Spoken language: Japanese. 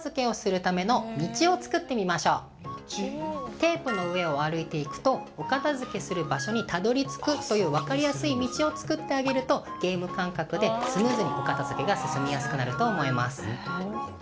テープの上を歩いていくとお片づけする場所にたどりつくという分かりやすい道を作ってあげるとゲーム感覚でスムーズにお片づけが進みやすくなると思います。